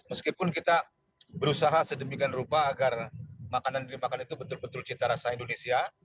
meskipun kita berusaha sedemikian rupa agar makanan yang dimakan itu betul betul cita rasa indonesia